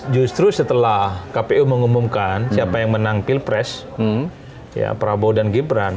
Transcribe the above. justru setelah kpu mengumumkan siapa yang menang pilpres prabowo dan gibran